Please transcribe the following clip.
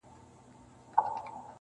په هغه ورځ به يو لاس ورنه پرې كېږي-